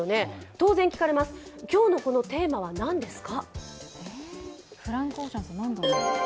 当然聞かれます、今日のテーマは何ですか？